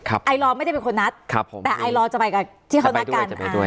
ไอลอร์ไม่ได้เป็นคนนัดครับผมแต่ไอลอร์จะไปกับที่เขานัดกัน